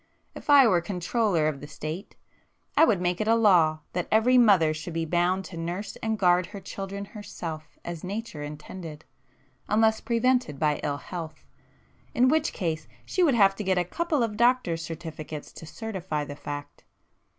If I were controller of the State, I would make it a law that every mother should be bound to nurse and guard her children herself as nature intended, unless prevented by ill health, in which case she would have to get a couple of doctor's certificates to certify the fact.